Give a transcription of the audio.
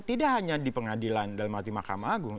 tidak hanya di pengadilan dalam waktu di makam agung